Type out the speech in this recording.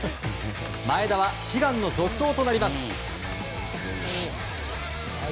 前田は志願の続投となります。